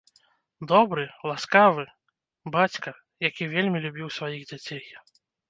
Добры, ласкавы, бацька, які вельмі любіў сваіх дзяцей.